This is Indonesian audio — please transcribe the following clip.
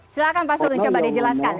silahkan pak sugeng coba dijelaskan